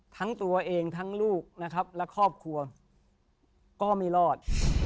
ทั้งตัวเองทั้งลูกนะครับและครอบครัวก็ไม่รอด